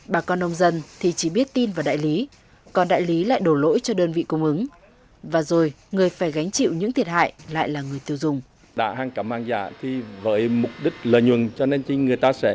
bà con nông dân thì chỉ biết tin vào đại lý còn đại lý lại đổ lỗi cho đơn vị cung ứng và rồi người phải gánh chịu những thiệt hại lại là người tiêu dùng